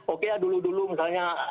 oke dulu dulu misalnya